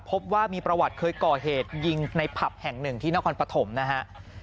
พบว่ามีประวัติเคยก่อเหตุยิงในผับแห่งหนึ่งที่นครปฐมนะฮะ